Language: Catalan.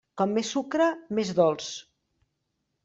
Com més sucre, més dolç.